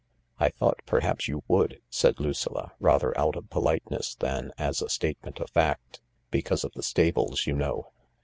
" I thought perhaps you would," said Lucilla, rather out of politeness than as a statement of fact, " because of the stables, you know."